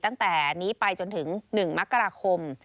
ตั้งแต่นี้ไปจนถึง๑มกราคม